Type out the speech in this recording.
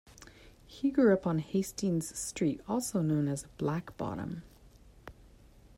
He grew up on Hastings Street, also known as "Black Bottom".